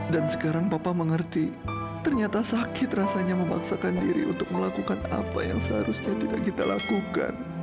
dan sekarang papa mengerti ternyata sakit rasanya memaksakan diri untuk melakukan apa yang seharusnya tidak kita lakukan